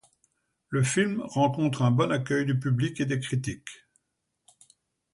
Le film rencontre un bon accueil du public et des critiques.